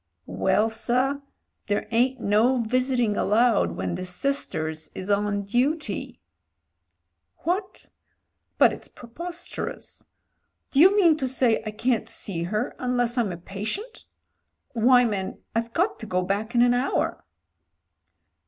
"Well, sir, there ain't no visiting allowed when the sisters is on duty." "What? But it's preposterous. Do you mean to say I can't see her unless I'm a patient ? Why, man, I've got to go back in an hour."